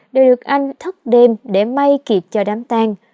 đều được anh thức đêm để may kịp cho đám tan